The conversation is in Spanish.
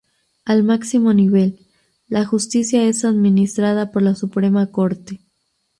Al máximo nivel, la justicia es administrada por la Suprema Corte.